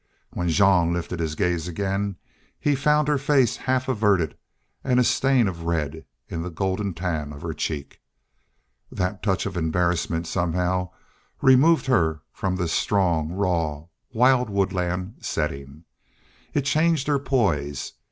When Jean lifted his gaze again he found her face half averted and a stain of red in the gold tan of her cheek. That touch of embarrassment somehow removed her from this strong, raw, wild woodland setting. It changed her poise.